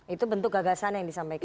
itu bentuk gagasan yang disampaikan